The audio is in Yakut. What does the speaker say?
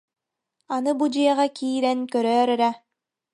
Аны бу дьиэҕэ киирэн көрөөр эрэ